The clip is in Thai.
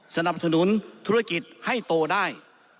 สนับสนุนธุรกิจให้โตได้